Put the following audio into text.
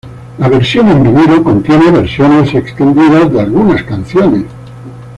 La versión en vinilo contiene versiones extendidas de algunas canciones.